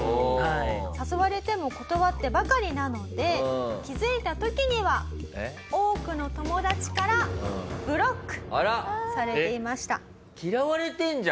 誘われても断ってばかりなので気づいた時には多くの友達からブロックされていました。